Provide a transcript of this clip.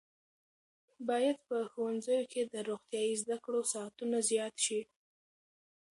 باید په ښوونځیو کې د روغتیايي زده کړو ساعتونه زیات شي.